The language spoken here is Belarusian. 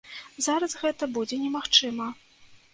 Зараз гэта будзе немагчыма.